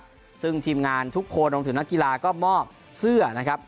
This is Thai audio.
ซึ่งทีมงานทุกคนรวมถึงนักกีฬาก็มอบเสื้อนะครับ